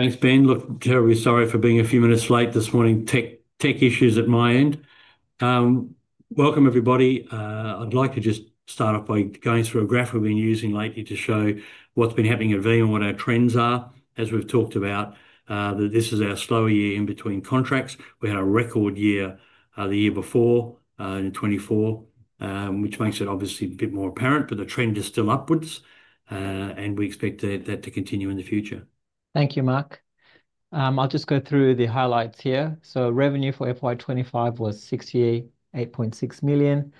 Thanks, Ben. Terribly sorry for being a few minutes late this morning. Tech issues at my end. Welcome, everybody. I'd like to just start off by going through a graph we've been using lately to show what's been happening at VEEM and what our trends are. As we've talked about, this is our slow year in between contracts. We had a record year the year before, in 2024, which makes it obviously a bit more apparent, but the trend is still upwards, and we expect that to continue in the future. Thank you, Mark. I'll just go through the highlights here. Revenue for FY 2025 was $68.6 million,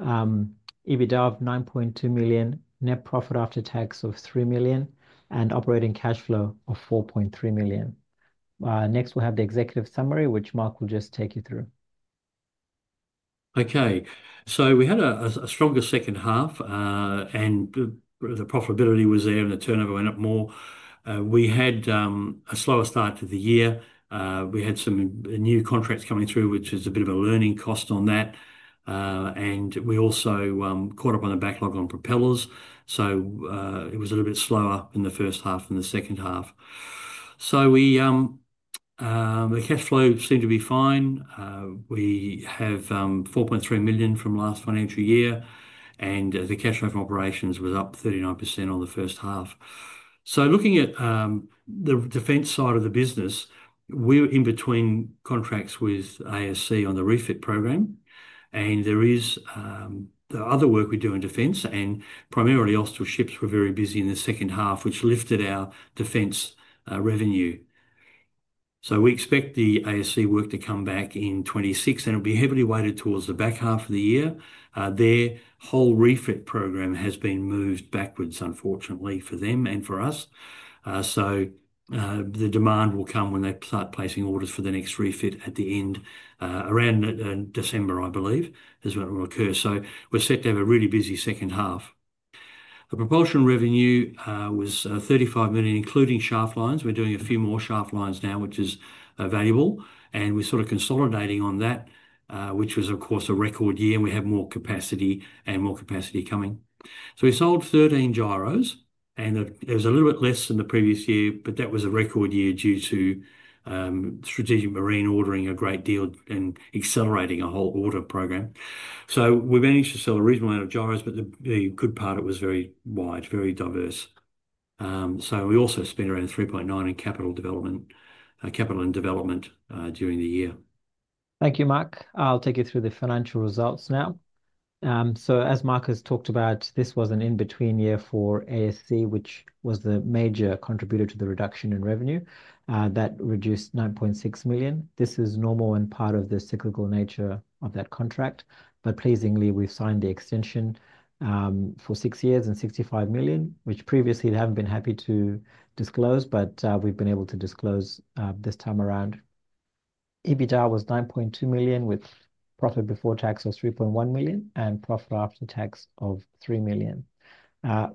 EBITDA of $9.2 million, net profit after tax of $3 million, and operating cash flow of $4.3 million. Next, we'll have the executive summary, which Mark will just take you through. Okay, so we had a stronger second half, and the profitability was there, and the turnover went up more. We had a slower start to the year. We had some new contracts coming through, which is a bit of a learning cost on that. We also caught up on the backlog on propellers. It was a little bit slower in the first half than the second half. The cash flow seemed to be fine. We have $4.3 million from last financial year, and the cash flow from operations was up 39% on the first half. Looking at the defense side of the business, we're in between contracts with ASC on the refit program, and there is other work we do in defense, and primarily offshore ships were very busy in the second half, which lifted our defense revenue. We expect the ASC work to come back in 2026, and it'll be heavily weighted towards the back half of the year. Their whole refit program has been moved backwards, unfortunately, for them and for us. The demand will come when they start placing orders for the next refit at the end, around December, I believe, is what will occur. We're set to have a really busy second half. The propulsion revenue was $35 million, including shaft lines. We're doing a few more shaft lines now, which is valuable, and we're sort of consolidating on that, which was, of course, a record year, and we had more capacity and more capacity coming. We sold 13 gyros, and it was a little bit less than the previous year, but that was a record year due to Strategic Marine ordering a great deal and accelerating a whole order program. We managed to sell a reasonable amount of gyros, but the good part of it was very wide, very diverse. We also spent around $3.9 million in capital and development during the year. Thank you, Mark. I'll take you through the financial results now. As Mark has talked about, this was an in-between year for ASC, which was the major contributor to the reduction in revenue. That reduced $9.6 million. This is normal and part of the cyclical nature of that contract. Pleasingly, we've signed the extension for six years and $65 million, which previously I haven't been happy to disclose, but we've been able to disclose this time around. EBITDA was $9.2 million with profit before tax of $3.1 million and profit after tax of $3 million.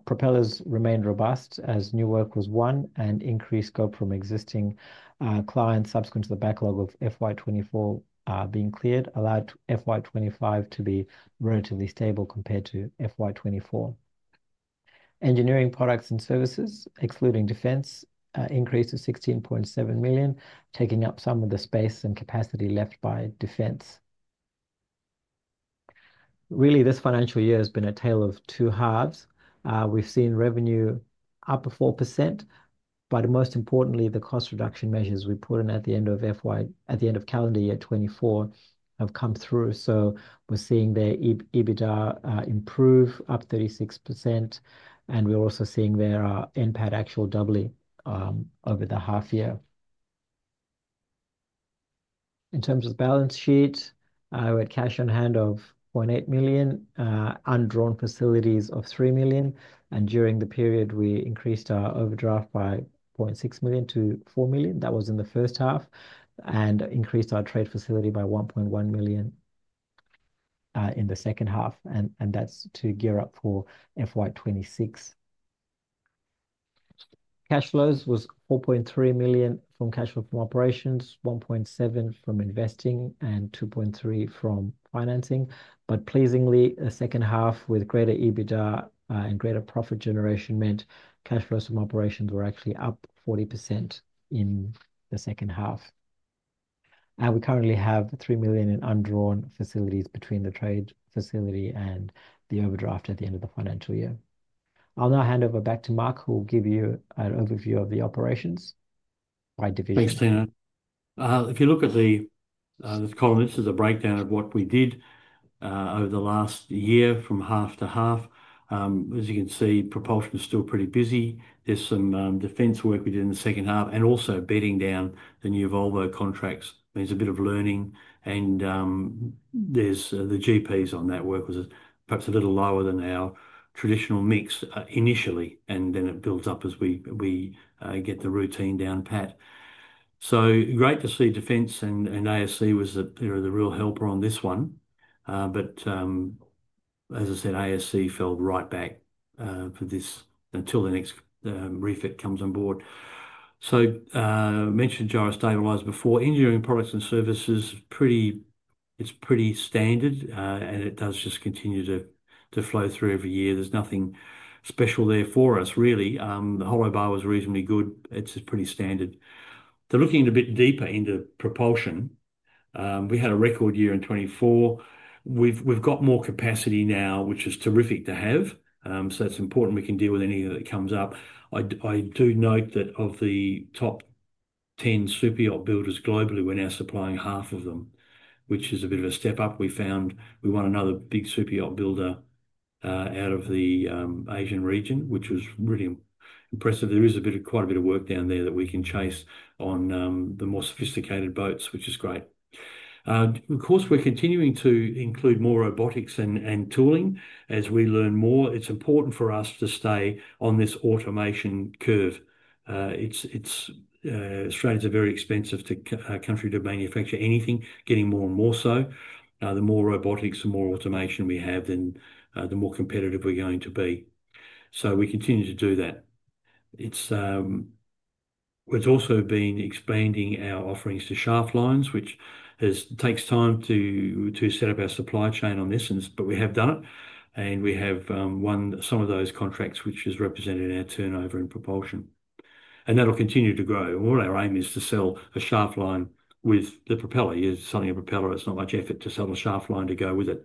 Propellers remained robust as new work was won and increased scope from existing clients subsequent to the backlog of FY 2024 being cleared allowed FY 2025 to be relatively stable compared to FY 2024. Engineered products and services, excluding defense, increased to $16.7 million, taking up some of the space and capacity left by defense. Really, this financial year has been a tale of two halves. We've seen revenue up 4%, but most importantly, the cost reduction measures we put in at the end of calendar year 2024 have come through. We're seeing their EBITDA improve up 36%, and we're also seeing their net profit after tax actually double over the half year. In terms of balance sheet, we had cash on hand of $1.8 million, undrawn facilities of $3 million, and during the period, we increased our overdraft by $0.6 million to $4 million. That was in the first half and increased our trade facility by $1.1 million in the second half, and that's to gear up for FY 2026. Cash flows were $4.3 million from cash flow from operations, $1.7 million from investing, and $2.3 million from financing. Pleasingly, a second half with greater EBITDA and greater profit generation meant cash flows from operations were actually up 40% in the second half. We currently have $3 million in undrawn facilities between the trade facility and the overdraft at the end of the financial year. I'll now hand over back to Mark, who will give you an overview of the operations. Thanks, Tito. If you look at the, let's call it, this is a breakdown of what we did over the last year from half to half. As you can see, propulsion is still pretty busy. There's some defense work we did in the second half and also bedding down the new Volvo contracts. I mean, it's a bit of learning, and the GPs on that work was perhaps a little lower than our traditional mix initially, and then it builds up as we get the routine down pat. Great to see defense and ASC was a bit of the real helper on this one. As I said, ASC fell right back for this until the next refit comes on board. I mentioned gyrostabilizer before. Engineered products and services, it's pretty standard, and it does just continue to flow through every year. There's nothing special there for us, really. The hollow bar was reasonably good. It's just pretty standard. Looking a bit deeper into propulsion, we had a record year in 2024. We've got more capacity now, which is terrific to have. It's important we can deal with any that comes up. I do note that of the top 10 superyacht builders globally, we're now supplying half of them, which is a bit of a step up. We found we won another big superyacht builder out of the Asian region, which was really impressive. There is quite a bit of work down there that we can chase on the more sophisticated boats, which is great. Of course, we're continuing to include more robotics and tooling as we learn more. It's important for us to stay on this automation curve. Australia is a very expensive country to manufacture anything, getting more and more so. The more robotics, the more automation we have, then the more competitive we're going to be. We continue to do that. We've also been expanding our offerings to shaft lines, which takes time to set up our supply chain on this, but we have done it. We have won some of those contracts, which is represented in our turnover in propulsion. That'll continue to grow. All our aim is to sell a shaft line with the propeller. You're selling a propeller, it's not much effort to sell a shaft line to go with it.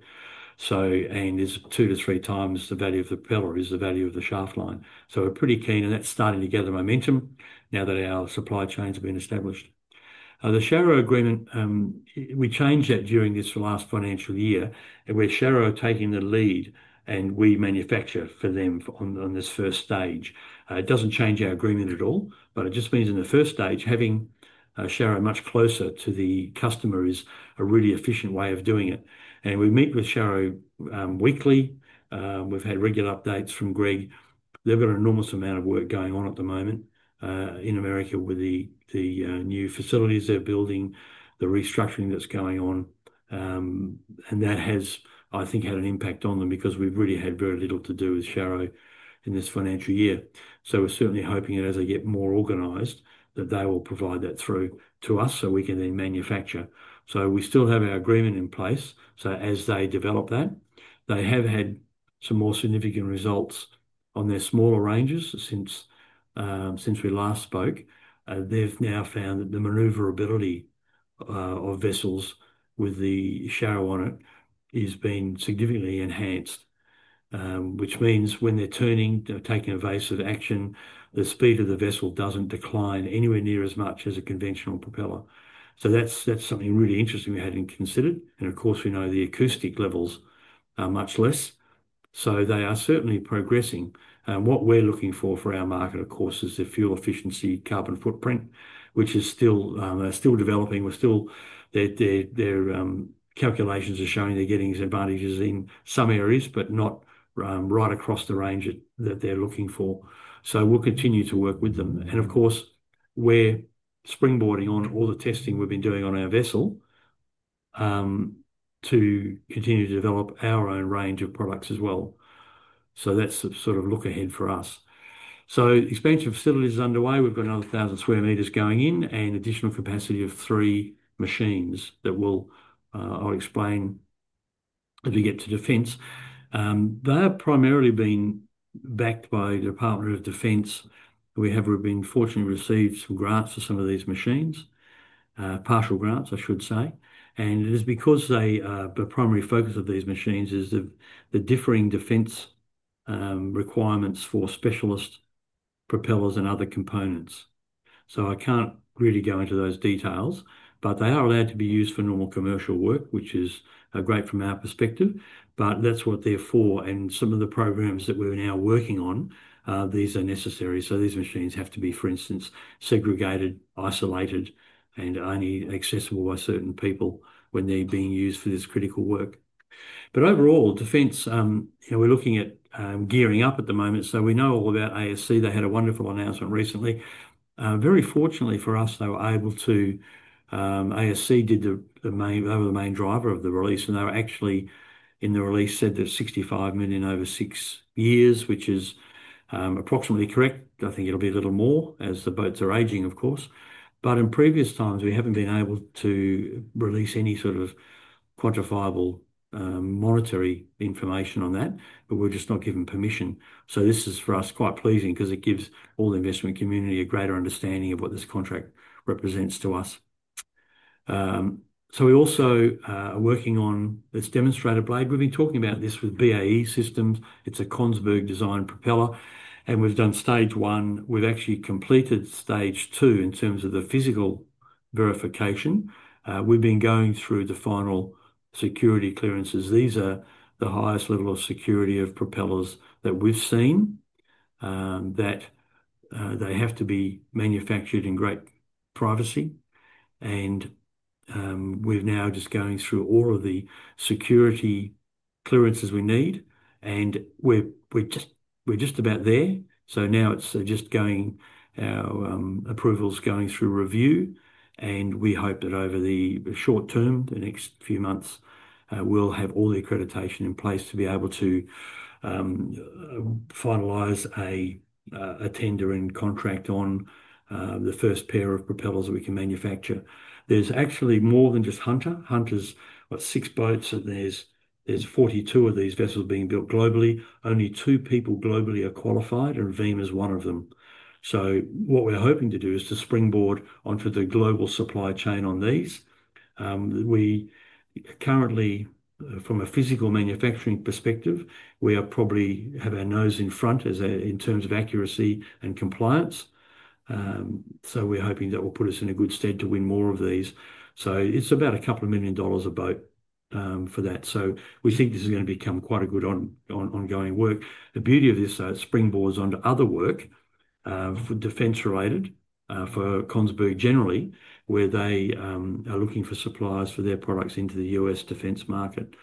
There are two to three times the value of the propeller is the value of the shaft line. We're pretty keen, and that's starting to gather momentum now that our supply chains have been established. The Sharrow agreement, we changed it during this last financial year, and we're Sharrow taking the lead, and we manufacture for them on this first stage. It doesn't change our agreement at all, but it just means in the first stage, having Sharrow much closer to the customer is a really efficient way of doing it. We meet with Sharrow weekly. We've had regular updates from Greg. They've got an enormous amount of work going on at the moment in the United States with the new facilities they're building, the restructuring that's going on. That has, I think, had an impact on them because we've really had very little to do with Sharrow in this financial year. We're certainly hoping that as they get more organized, they will provide that through to us so we can then manufacture. We still have our agreement in place. As they develop that, they have had some more significant results on their smaller ranges since we last spoke. They've now found that the maneuverability of vessels with the Sharrow on it has been significantly enhanced, which means when they're turning, they're taking evasive action, the speed of the vessel doesn't decline anywhere near as much as a conventional propeller. That's something really interesting we hadn't considered. Of course, we know the acoustic levels are much less. They are certainly progressing. What we're looking for our market, of course, is the fuel efficiency carbon footprint, which is still, they're still developing. We're still, their calculations are showing they're getting some advantages in some areas, but not right across the range that they're looking for. We'll continue to work with them. Of course, we're springboarding on all the testing we've been doing on our vessel to continue to develop our own range of products as well. That's the sort of look ahead for us. Expansion facilities are underway. We've got another 1,000 square meters going in and additional capacity of three machines that we'll, I'll explain as we get to defense. They've primarily been backed by the Department of Defense. We have been fortunate to receive some grants for some of these machines, partial grants, I should say. It is because the primary focus of these machines is the differing defense requirements for specialist propellers and other components. I can't really go into those details, but they are allowed to be used for normal commercial work, which is great from our perspective. That's what they're for. Some of the programs that we're now working on, these are necessary. These machines have to be, for instance, segregated, isolated, and only accessible by certain people when they're being used for this critical work. Overall, defense, you know, we're looking at gearing up at the moment. We know all about ASC. They had a wonderful announcement recently. Very fortunately for us, they were able to, ASC did the, they were the main driver of the release. They were actually, in the release, said there's $65 million over six years, which is approximately correct. I think it'll be a little more as the boats are aging, of course. In previous times, we haven't been able to release any sort of quantifiable monetary information on that. We're just not given permission. This is for us quite pleasing because it gives all the investment community a greater understanding of what this contract represents to us. We also are working on this demonstrator blade. We've been talking about this with BAE Systems. It's a Kongsberg designed propeller. We've done stage one. We've actually completed stage two in terms of the physical verification. We've been going through the final security clearances. These are the highest level of security of propellers that we've seen, that they have to be manufactured in great privacy. We're now just going through all of the security clearances we need. We're just about there. Now it's just going, our approvals going through review. We hope that over the short term, the next few months, we'll have all the accreditation in place to be able to finalize a tender and contract on the first pair of propellers that we can manufacture. There's actually more than just Hunter. Hunter's got six boats. There's 42 of these vessels being built globally. Only two people globally are qualified, and VEEM is one of them. What we're hoping to do is to springboard onto the global supply chain on these. We currently, from a physical manufacturing perspective, probably have our nose in front in terms of accuracy and compliance. We're hoping that will put us in a good stead to win more of these. It's about a couple of million dollars a boat for that. We think this is going to become quite a good ongoing work. The beauty of this though is it springboards onto other work for defense-related, for Kongsberg generally, where they are looking for suppliers for their products into the U.S. defense market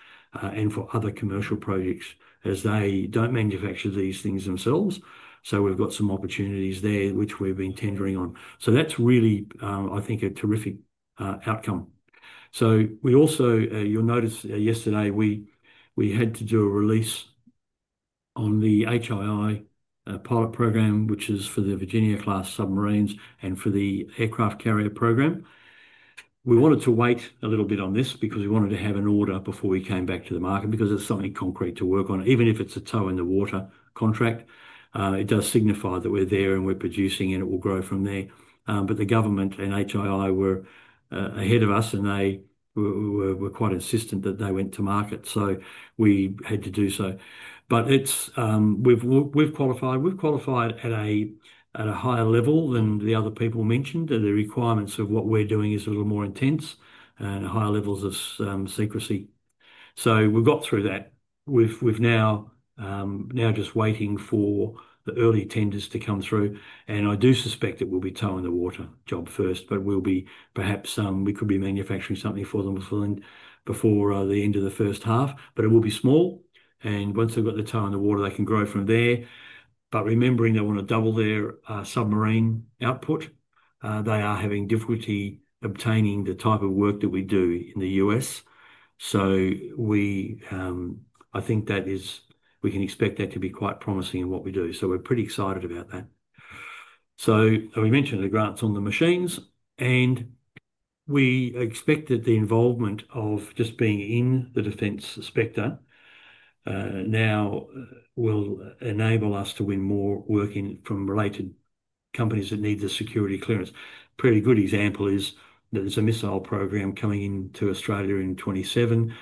and for other commercial projects as they don't manufacture these things themselves. We've got some opportunities there which we've been tendering on. That's really, I think, a terrific outcome. You'll notice yesterday we had to do a release on the HII pilot program, which is for the Virginia-class submarines and for the aircraft carrier programs. We wanted to wait a little bit on this because we wanted to have an order before we came back to the market because there's so many concrete to work on. Even if it's a toe in the water contract, it does signify that we're there and we're producing and it will grow from there. The government and HII were ahead of us and they were quite insistent that they went to market. We had to do so. We've qualified at a higher level than the other people mentioned and the requirements of what we're doing is a little more intense and a higher level of secrecy. We got through that. We're now just waiting for the early tenders to come through and I do suspect it will be toe in the water job first but perhaps we could be manufacturing something for them before the end of the first half but it will be small and once they've got the toe in the water they can grow from there. Remembering they want to double their submarine output, they are having difficulty obtaining the type of work that we do in the U.S. I think that is we can expect that to be quite promising in what we do so we're pretty excited about that. We mentioned the grants on the machines and we expect that the involvement of just being in the defense sector now will enable us to win more working from related companies that need the security clearance. A pretty good example is that there's a missile program coming into Australia in 2027.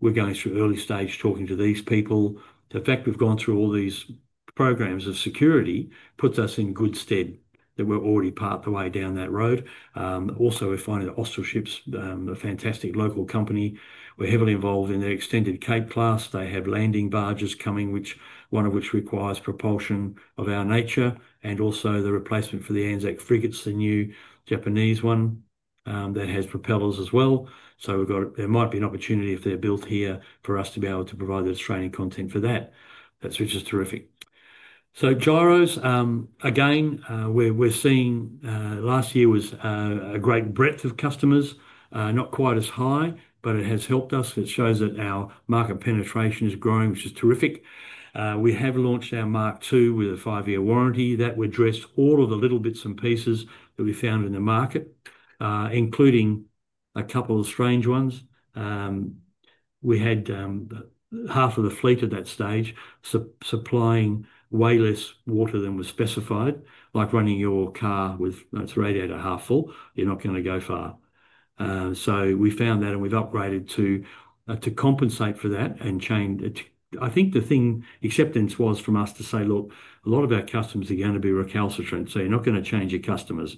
We're going through early stage talking to these people. The fact we've gone through all these programs of security puts us in good stead that we're already part of the way down that road. Also, we find that Austal Ships, a fantastic local company, were heavily involved in their extended Cape-class. They have landing barges coming, one of which requires propulsion of our nature and also the replacement for the Anzac frigates, the new Japanese one that has propellers as well. There might be an opportunity if they're built here for us to be able to provide those training content for that, which is terrific. Gyros, again, we're seeing last year was a great breadth of customers, not quite as high, but it has helped us. It shows that our market penetration is growing, which is terrific. We have launched our Mark II with a five-year warranty that addressed all of the little bits and pieces that we found in the market, including a couple of strange ones. We had half of the fleet at that stage supplying way less water than was specified, like running your car with its radiator half full. You're not going to go far. We found that and we've upgraded to compensate for that and change. I think the thing acceptance was from us to say, look, a lot of our customers are going to be recalcitrant, so you're not going to change your customers.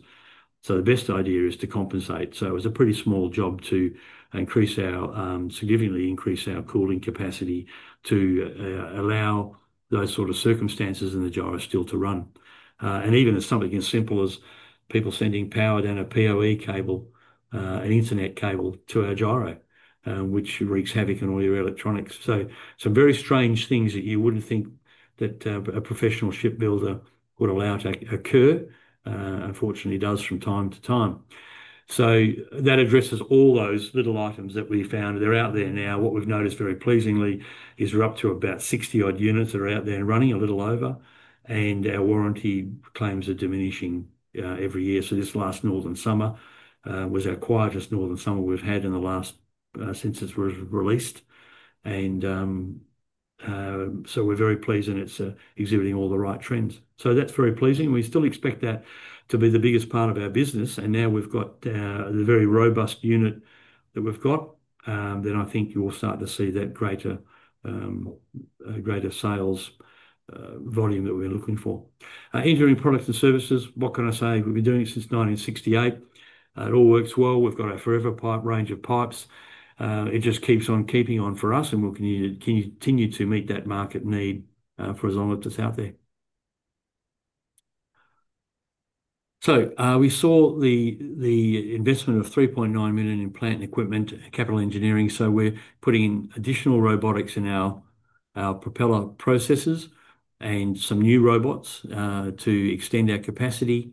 The best idea is to compensate. It was a pretty small job to significantly increase our cooling capacity to allow those sort of circumstances in the gyro still to run. Even as something as simple as people sending power down a [POE] cable, an internet cable to our gyro, which wreaks havoc on all your electronics. Some very strange things that you wouldn't think that a professional shipbuilder would allow to occur, unfortunately does from time to time. That addresses all those little items that we found. They're out there now. What we've noticed very pleasingly is we're up to about 60 odd units that are out there and running a little over, and our warranty claims are diminishing every year. This last Northern Summer was our quietest Northern Summer we've had since it was released. We're very pleased and it's exhibiting all the right trends. That's very pleasing. We still expect that to be the biggest part of our business. Now we've got the very robust unit that we've got. I think you will start to see that greater sales volume that we're looking for. Engineered products and services, what can I say? We've been doing it since 1968. It all works well. We've got our forever pipe range of pipes. It just keeps on keeping on for us, and we'll continue to meet that market need for as long as it's out there. We saw the investment of $3.9 million in plant and equipment, capital engineering. We're putting in additional robotics in our propeller processes and some new robots to extend our capacity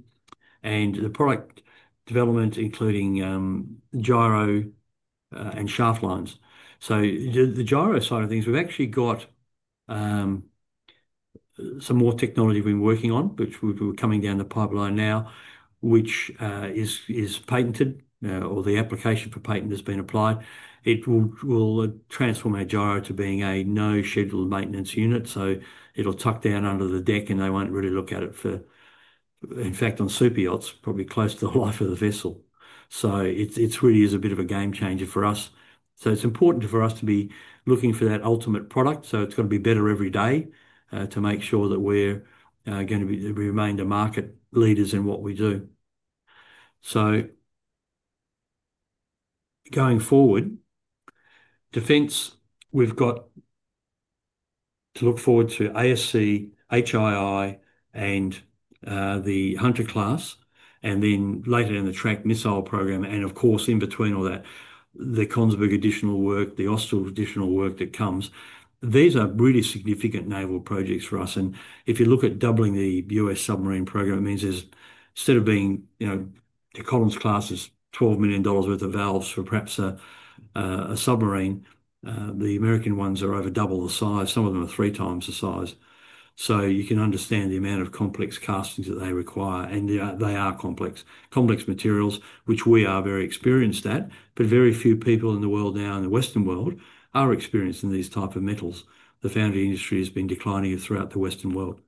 and the product development, including gyro and shaft lines. The gyro side of things, we've actually got some more technology we've been working on, which is coming down the pipeline now, which is patented, or the application for patent has been applied. It will transform our gyro to being a no-schedule maintenance unit. It'll tuck down under the deck, and they won't really look at it for, in fact, on superyachts, probably close to the life of the vessel. It really is a bit of a game changer for us. It's important for us to be looking for that ultimate product. It's got to be better every day to make sure that we're going to be remaining the market leaders in what we do. Going forward, defense, we've got to look forward to ASC, HII, and the Hunter Class, and then later in the track missile program. Of course, in between all that, the Kongsberg additional work, the Austal additional work that comes. These are really significant naval projects for us. If you look at doubling the U.S. submarine program, it means instead of being, you know, the Collins class is $12 million worth of valves for perhaps a submarine, the American ones are over double the size. Some of them are three times the size. You can understand the amount of complex castings that they require. They are complex. Complex materials, which we are very experienced at, but very few people in the world now in the Western world are experienced in these types of metals. The foundry industry has been declining throughout the Western world.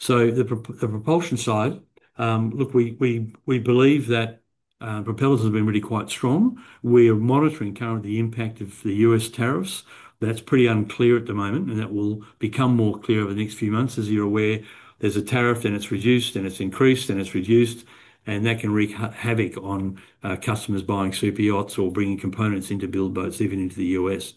The propulsion side, look, we believe that propellers have been really quite strong. We are monitoring currently the impact of the U.S. tariffs. That's pretty unclear at the moment, and that will become more clear over the next few months. As you're aware, there's a tariff, then it's reduced, then it's increased, then it's reduced, and that can wreak havoc on customers buying superyachts or bringing components in to build boats, even into the U.S.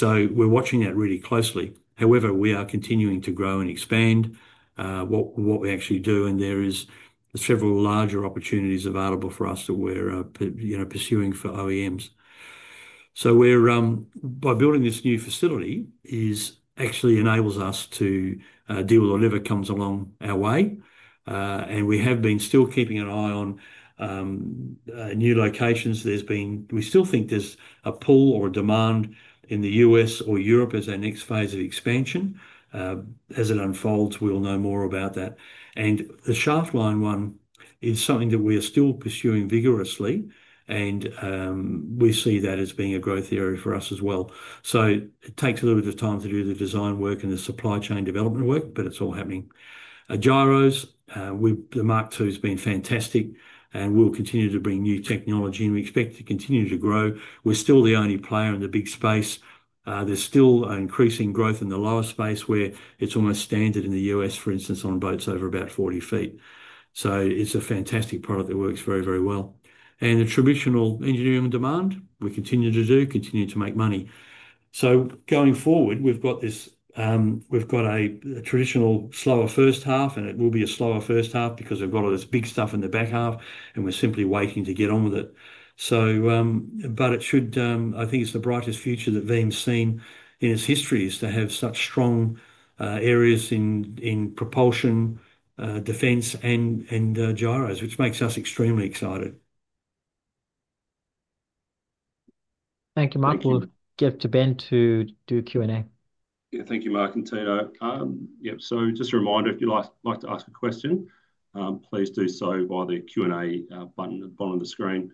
We're watching that really closely. However, we are continuing to grow and expand what we actually do, and there are several larger opportunities available for us that we're pursuing for OEMs. By building this new facility, it actually enables us to deal with whatever comes along our way. We have been still keeping an eye on new locations. There's been, we still think there's a pull or a demand in the U.S. or Europe as our next phase of expansion. As it unfolds, we'll know more about that. The shaft line one is something that we are still pursuing vigorously, and we see that as being a growth area for us as well. It takes a little bit of time to do the design work and the supply chain development work, but it's all happening. A gyro, the Mark II has been fantastic, and we'll continue to bring new technology, and we expect to continue to grow. We're still the only player in the big space. There's still increasing growth in the lower space where it's almost standard in the U.S., for instance, on boats over about 40 ft. It's a fantastic product that works very, very well. The traditional engineering demand, we continue to do, continue to make money. Going forward, we've got this, we've got a traditional slower first half, and it will be a slower first half because we've got all this big stuff in the back half, and we're simply waiting to get on with it. It should, I think it's the brightest future that VEEM has seen in its history to have such strong areas in propulsion, defense, and gyros, which makes us extremely excited. Thank you, Mark. We'll give to Ben to do a Q&A. Yeah, thank you, Mark and Tino. Just a reminder, if you'd like to ask a question, please do so via the Q&A button at the bottom of the screen.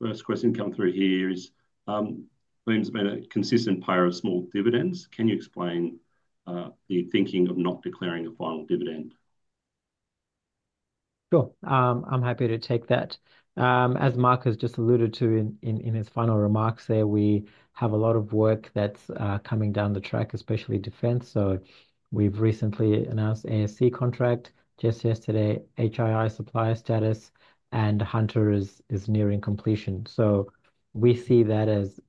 First question coming through here is, VEEM's been a consistent payer of small dividends. Can you explain the thinking of not declaring a final dividend? Sure, I'm happy to take that. As Mark has just alluded to in his final remarks there, we have a lot of work that's coming down the track, especially defense. We've recently announced the ASC contract just yesterday, HII supplier status, and Hunter is nearing completion. We see that as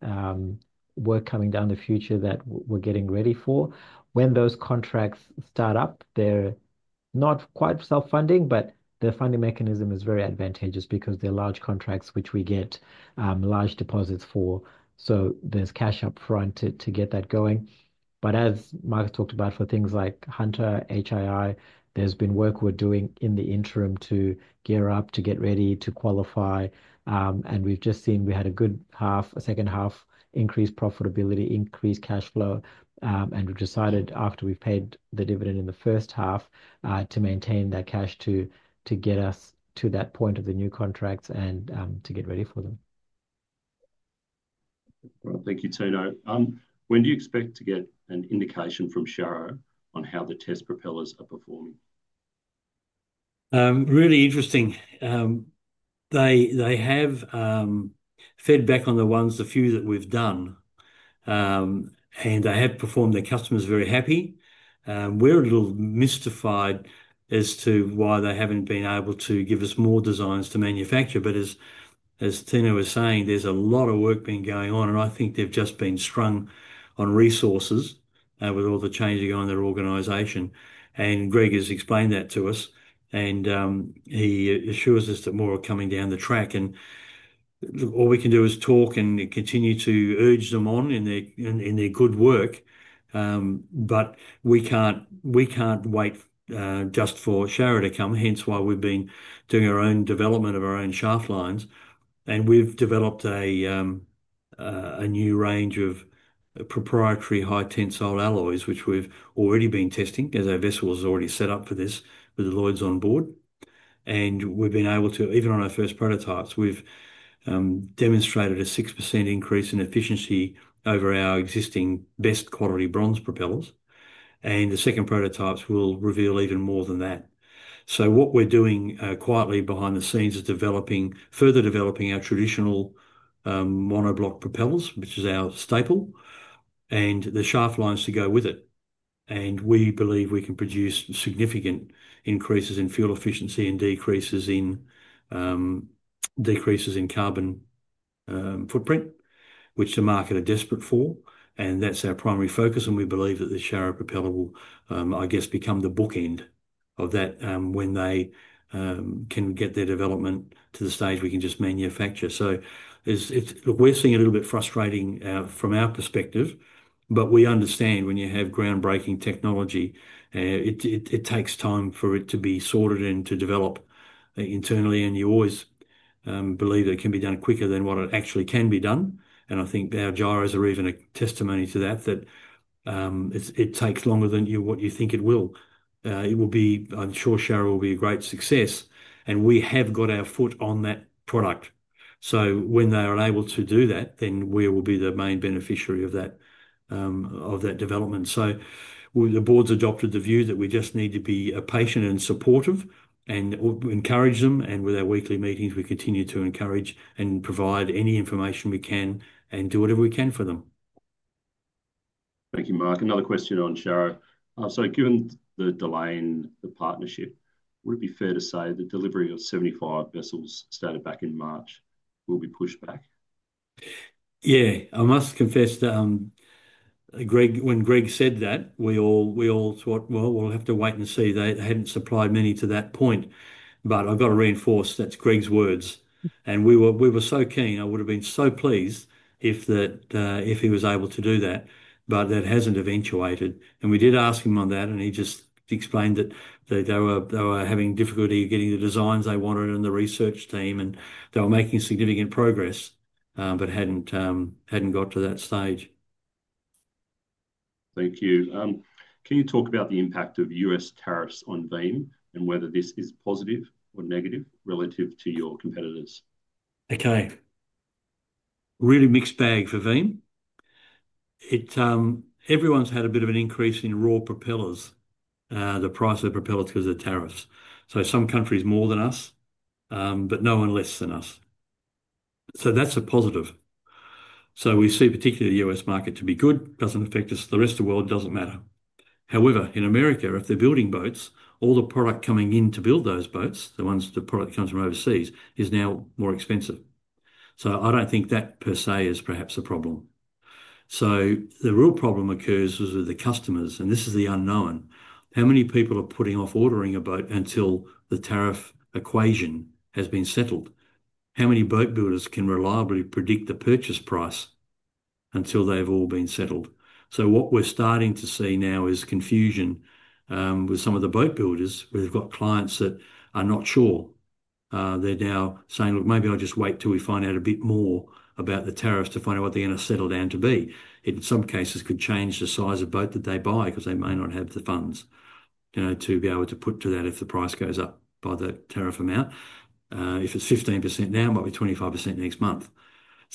work coming down the future that we're getting ready for. When those contracts start up, they're not quite self-funding, but the funding mechanism is very advantageous because they're large contracts which we get large deposits for. There's cash up front to get that going. As Mark talked about for things like Hunter, HII, there's been work we're doing in the interim to gear up, to get ready, to qualify. We've just seen we had a good half, a second half. Increased profitability, increased cash flow. We've decided after we've paid the dividend in the first half to maintain that cash to get us to that point of the new contracts and to get ready for them. Thank you, Tino. When do you expect to get an indication from Sharrow on how the test propellers are performing? Really interesting. They have fed back on the ones, the few that we've done, and they have performed, their customers very happy. We're a little mystified as to why they haven't been able to give us more designs to manufacture. As Tito was saying, there's a lot of work been going on, and I think they've just been strung on resources with all the changing in their organization. Greg has explained that to us, and he assures us that more are coming down the track. All we can do is talk and continue to urge them on in their good work. We can't wait just for Sharrow to come, hence why we've been doing our own development of our own shaft lines. We've developed a new range of proprietary high-tensile alloys, which we've already been testing as our vessel is already set up for this with Lloyds on board. We've been able to, even on our first prototypes, we've demonstrated a 6% increase in efficiency over our existing best quality bronze propellers. The second prototypes will reveal even more than that. What we're doing quietly behind the scenes is developing, further developing our traditional monoblock propellers, which is our staple, and the shaft lines to go with it. We believe we can produce significant increases in fuel efficiency and decreases in carbon footprint, which the market are desperate for. That's our primary focus. We believe that the SHARROW propeller will, I guess, become the bookend of that when they can get their development to the stage we can just manufacture. We're seeing a little bit frustrating from our perspective, but we understand when you have groundbreaking technology, it takes time for it to be sorted and to develop internally. You always believe that it can be done quicker than what it actually can be done. I think our gyros are even a testimony to that, that it takes longer than what you think it will. I'm sure SHARROW will be a great success. We have got our foot on that product. When they are able to do that, then we will be the main beneficiary of that development. The board's adopted the view that we just need to be patient and supportive and encourage them. With our weekly meetings, we continue to encourage and provide any information we can and do whatever we can for them. Thank you, Mark. Another question on Sharrow. Given the delay in the partnership, would it be fair to say the delivery of 75 vessels started back in March will be pushed back? Yeah, I must confess that when Greg said that, we all thought, we'll have to wait and see. They hadn't supplied many to that point. I've got to reinforce that's Greg's words. We were so keen. I would have been so pleased if he was able to do that. That hasn't eventuated. We did ask him on that. He just explained that they were having difficulty getting the designs they wanted in the research team, and they were making significant progress but hadn't got to that stage. Thank you. Can you talk about the impact of U.S. tariffs on VEEM and whether this is positive or negative relative to your competitors? Okay. Really mixed bag for VEEM. Everyone's had a bit of an increase in raw propellers, the price of the propellers because of the tariffs. Some countries more than us, but no one less than us. That's a positive. We see particularly the U.S. market to be good. It doesn't affect us. The rest of the world doesn't matter. However, in America, if they're building boats, all the product coming in to build those boats, the ones the product comes from overseas, is now more expensive. I don't think that per se is perhaps a problem. The real problem occurs with the customers, and this is the unknown. How many people are putting off ordering a boat until the tariff equation has been settled? How many boat builders can reliably predict the purchase price until they've all been settled? We're starting to see now confusion with some of the boat builders. We've got clients that are not sure. They're now saying, look, maybe I'll just wait till we find out a bit more about the tariffs to find out what they're going to settle down to be. In some cases, it could change the size of the boat that they buy because they may not have the funds, you know, to be able to put to that if the price goes up by that tariff amount. If it's 15% now, it might be 25% next month.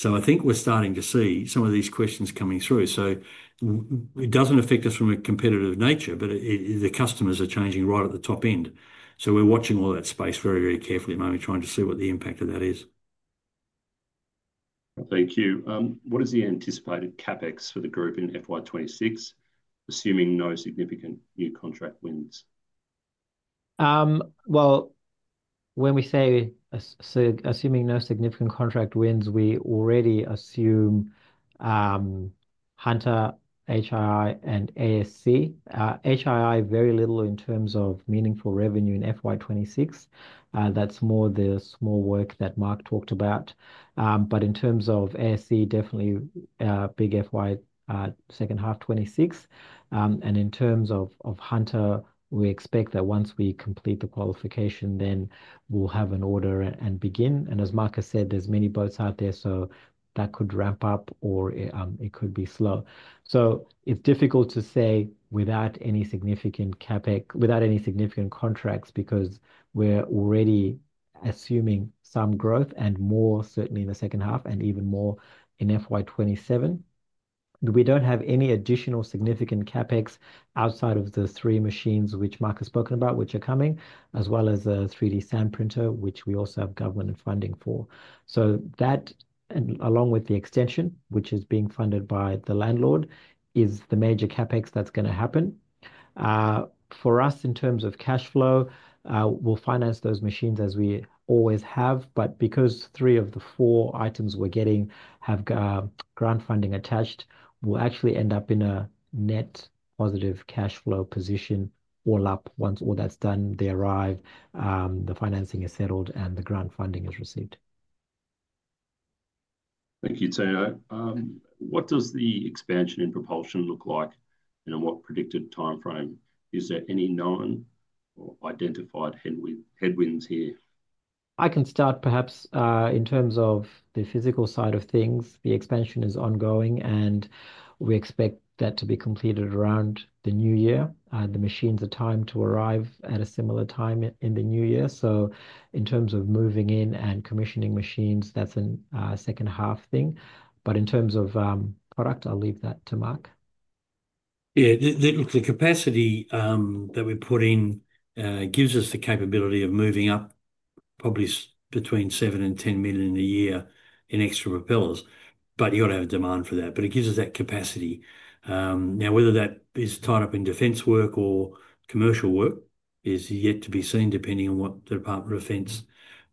I think we're starting to see some of these questions coming through. It doesn't affect us from a competitive nature, but the customers are changing right at the top end. We're watching all that space very, very carefully. I'm trying to see what the impact of that is. Thank you. What is the anticipated CapEx for the group in FY 2026, assuming no significant new contract wins? Assuming no significant contract wins, we already assume Hunter, HII, and ASC. HII, very little in terms of meaningful revenue in FY 2026. That's more the small work that Mark talked about. In terms of ASC, definitely a big FY second half, 2026. In terms of Hunter, we expect that once we complete the qualification, then we'll have an order and begin. As Mark has said, there's many boats out there, so that could ramp up or it could be slow. It's difficult to say without any significant CapEx, without any significant contracts because we're already assuming some growth and more certainly in the second half and even more in FY 2027. We don't have any additional significant CapEx outside of the three machines which Mark has spoken about, which are coming, as well as a 3D sand printer, which we also have government funding for. That, along with the extension, which is being funded by the landlord, is the major CapEx that's going to happen. For us, in terms of cash flow, we'll finance those machines as we always have. Because three of the four items we're getting have grant funding attached, we'll actually end up in a net positive cash flow position all up once all that's done, they arrive, the financing is settled, and the grant funding is received. Thank you, Tino. What does the expansion in propulsion look like, and in what predicted timeframe? Is there any known or identified headwinds here? I can start perhaps in terms of the physical side of things. The expansion is ongoing, and we expect that to be completed around the new year. The machines are timed to arrive at a similar time in the new year. In terms of moving in and commissioning machines, that's a second half thing. In terms of product, I'll leave that to Mark. The capacity that we're putting gives us the capability of moving up probably between $7 million and $10 million a year in extra propellers. You've got to have a demand for that, but it gives us that capacity. Whether that is tied up in defense work or commercial work is yet to be seen, depending on what the Department of Defense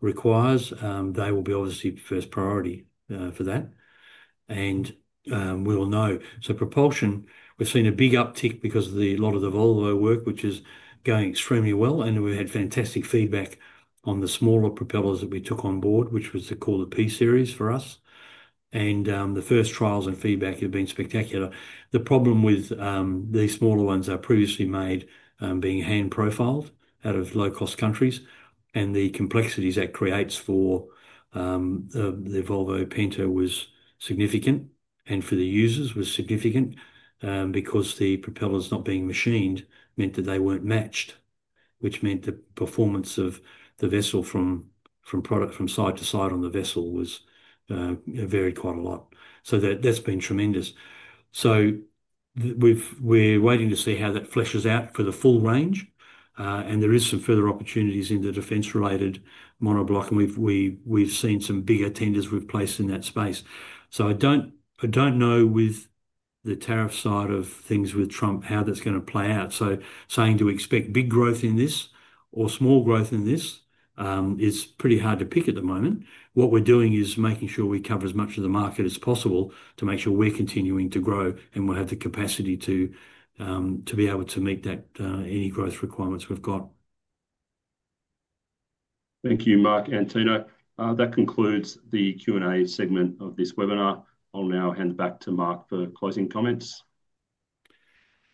requires. They will be obviously the first priority for that, and we'll know. Propulsion, we've seen a big uptick because of a lot of the Volvo work, which is going extremely well. We had fantastic feedback on the smaller propellers that we took on board, which was called the P-series for us, and the first trials and feedback have been spectacular. The problem with these smaller ones are previously made being hand profiled out of low-cost countries, and the complexities that create for the Volvo Penta was significant and for the users was significant because the propellers not being machined meant that they weren't matched, which meant the performance of the vessel from product from side to side on the vessel was varied quite a lot. That's been tremendous. We're waiting to see how that fleshes out for the full range. There are some further opportunities in the defense-related monoblock, and we've seen some bigger tenders we've placed in that space. I don't know with the tariff side of things with Trump how that's going to play out. Saying do we expect big growth in this or small growth in this is pretty hard to pick at the moment. What we're doing is making sure we cover as much of the market as possible to make sure we're continuing to grow and we'll have the capacity to be able to meet any growth requirements we've got. Thank you, Mark and Tino. That concludes the Q&A segment of this webinar. I'll now hand back to Mark for closing comments.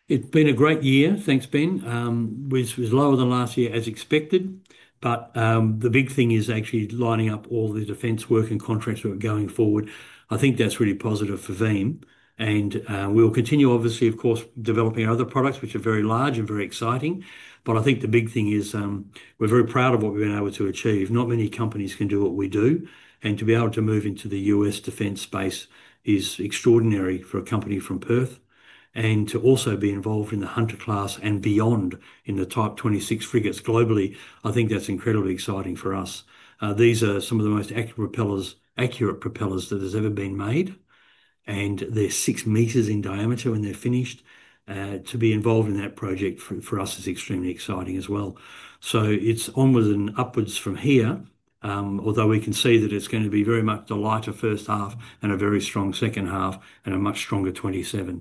It's been a great year. Thanks, Ben. It was lower than last year as expected. The big thing is actually lining up all the defense work and contracts that are going forward. I think that's really positive for VEEM. We'll continue, obviously, of course, developing other products, which are very large and very exciting. I think the big thing is we're very proud of what we've been able to achieve. Not many companies can do what we do. To be able to move into the U.S. defense space is extraordinary for a company from Perth. To also be involved in the Hunter Class and beyond in the Type 26 frigates globally, I think that's incredibly exciting for us. These are some of the most accurate propellers that have ever been made, and they're six meters in diameter when they're finished. To be involved in that project for us is extremely exciting as well. It's onwards and upwards from here, although we can see that it's going to be very much the lighter first half and a very strong second half and a much stronger 2027.